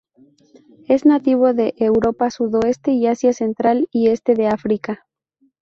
Es nativo de Europa, sudoeste y Asia central y este de África.